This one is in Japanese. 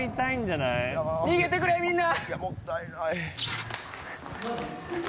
逃げてくれ、みんな！